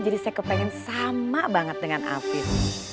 jadi saya kepengen sama banget dengan afif